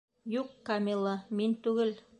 Юҡ, Камила, мин түгел...